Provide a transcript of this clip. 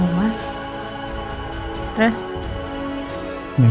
yang masih belum ngorok